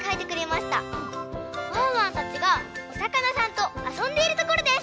ワンワンたちがおさかなさんとあそんでいるところです。